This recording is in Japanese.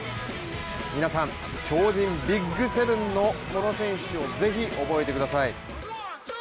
皆さん、超人ＢＩＧ７のこの選手をぜひ覚えてください。